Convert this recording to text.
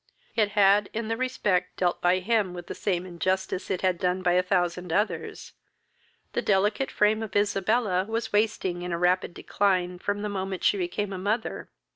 It had in the respect dealt by him with the same injustice it had done by a thousand others. The delicate frame of Isabella was wasting in a rapid decline, from the moment she became a mother.